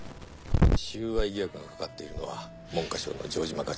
収賄疑惑がかかっているのは文科省の城島課長。